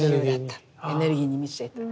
エネルギーに満ちていた。